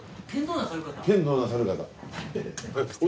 剣道なさる方。